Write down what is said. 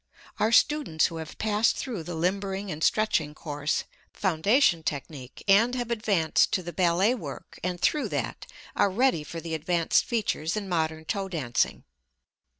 Our students who have passed through the limbering and stretching course (foundation technique) and have advanced to the ballet work and through that, are ready for the advanced features in modern toe dancing.